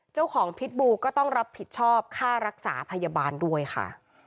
พิษบูก็ต้องรับผิดชอบค่ารักษาพยาบาลด้วยค่ะ